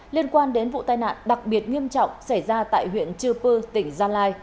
liên quan đến vụ tai nạn đặc biệt nghiêm trọng xảy ra tại huyện chư pư tỉnh gia lai